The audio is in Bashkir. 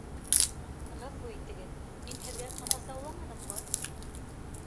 Ғәфү итегеҙ, мин һеҙгә ҡамасауламаныммы?